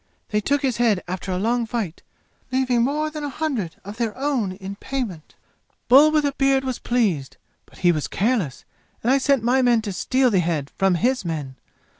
They took his head after a long fight, leaving more than a hundred of their own in payment. "Bull with a beard was pleased. But he was careless, and I sent my men to steal the head from his men.